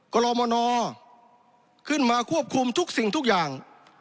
กรมนขึ้นมาควบคุมทุกสิ่งทุกอย่าง